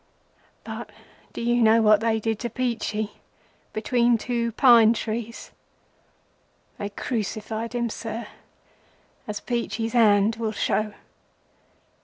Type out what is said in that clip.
"But do you know what they did to Peachey between two pine trees? They crucified him, sir, as Peachey's hands will show.